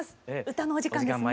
歌のお時間ですね。